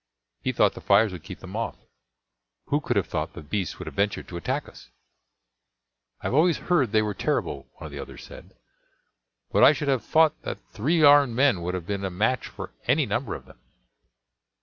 He thought the fires would keep them off. Who could have thought the beasts would have ventured to attack us!" "I have always heard they were terrible," one of the others said; "but I should have thought that three armed men would have been a match for any number of them."